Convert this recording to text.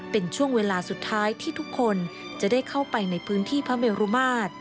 เป็นช่วงเวลาสุดท้ายที่ทุกคนจะได้เข้าไปในพื้นที่พระเมรุมาตร